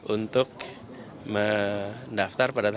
untuk mendaftar pengadilan